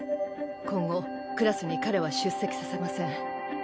今後クラスに彼は出席させません。